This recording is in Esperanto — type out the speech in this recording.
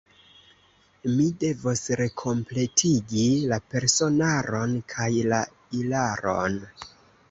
Mi devos rekompletigi la personaron kaj la ilaron.